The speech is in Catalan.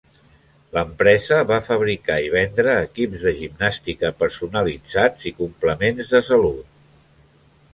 L'empresa va fabricar i vendre equips de gimnàstica personalitzats i complements de salut.